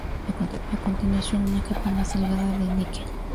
A continuación, una capa más delgada de níquel.